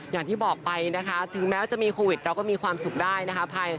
อย่างที่บอกไปนะคะถึงแม้จะมีโควิดเราก็มีความสุขได้นะคะ